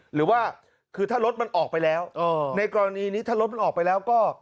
หรือว่าคือถ้ารถมันออกไปแล้วในกรณีนี้ถ้ารถมันออกไปแล้วก็